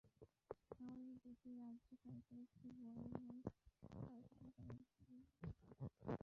আমাদের দেশে, রাজ্য সরকারের চেয়ে বড় হয় সরকারি কাগজ লেখক।